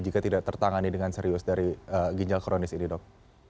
jika tidak tertangani dengan serius dari ginjal kronis ini dok